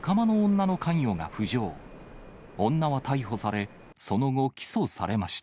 女は逮捕され、その後起訴されました。